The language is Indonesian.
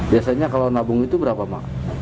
biasanya kalau nabung itu berapa mak